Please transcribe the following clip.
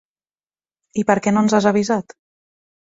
I per què no ens has avisat?